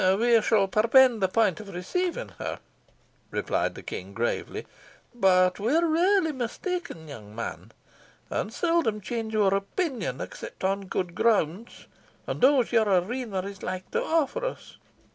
"We shall perpend the point of receiving her," replied the King, gravely. "But we are rarely mista'en, young man, and seldom change our opinion except upon gude grounds, and those you arena like to offer us.